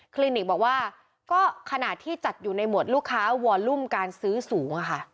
ลินิกบอกว่าก็ขณะที่จัดอยู่ในหมวดลูกค้าวอลลุ่มการซื้อสูง